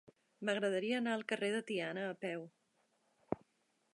M'agradaria anar al carrer de Tiana a peu.